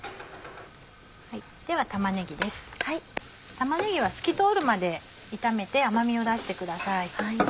玉ねぎは透き通るまで炒めて甘みを出してください。